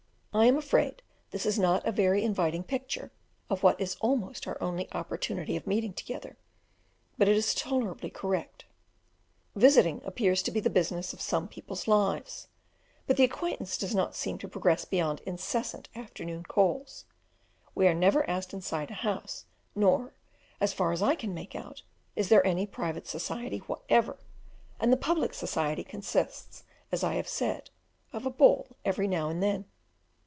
I am afraid this is not a very inviting picture of what is almost our only opportunity of meeting together, but it is tolerably correct. Visiting appears to be the business of some people's lives, but the acquaintance does not seem to progress beyond incessant afternoon calls; we are never asked inside a house, nor, as far as I can make out, is there any private society whatever, and the public society consists, as I have said, of a ball every now and then.